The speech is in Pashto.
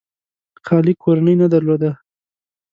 خالي کورنۍ نه درلوده.